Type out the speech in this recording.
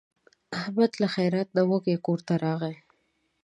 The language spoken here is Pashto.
احمد له خیرات نه وږی کورته راغی.